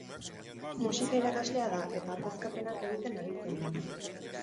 Musika irakaslea da eta ordezkapenak egiten aritzen da.